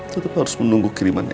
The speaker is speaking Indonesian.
tetap harus menunggu kiriman esy